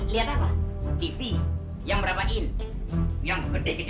lihat apa tv yang berapa il yang gede gede juga ada